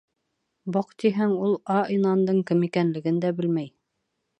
Баҡтиһәң, ул А. Инандың кем икәнлеген дә белмәй.